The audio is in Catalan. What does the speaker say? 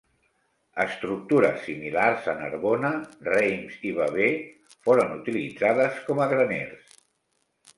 Estructures similars a Narbona, Reims i Bavay foren utilitzades com a graners.